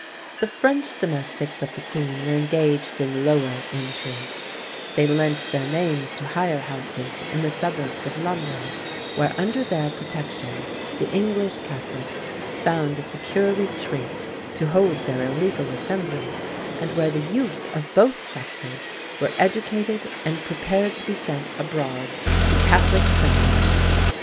The French domestics of the queen were engaged in lower intrigues; they lent their names to hire houses in the suburbs of London, where, under their protection, the English Catholics found a secure retreat to hold their illegal assemblies, and where the youth of both sexes were educated and prepared to be sent abroad to Catholic seminaries.